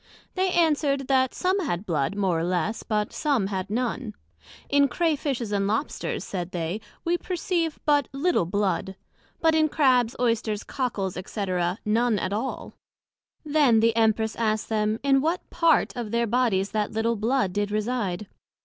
They answered, That some had blood, more or less, but some had none. In Crea fishes and Lobsters, said they, we perceive but little blood; but in Crabs, Oysters, Cockles, &c. none at all. Then the Empress asked them, in what part of their Bodies that little blood did reside?